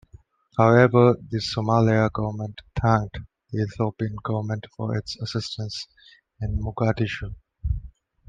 However the Somalia government thanked the Ethiopian government for its assistance in Mogadishu.